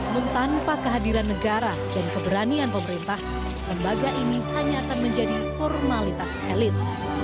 namun tanpa kehadiran negara dan keberanian pemerintah lembaga ini hanya akan menjadi formalitas elit